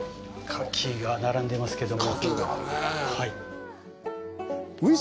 カキが並んでますけども。